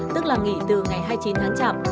tức là nghỉ từ ngày hai mươi chín tháng chạp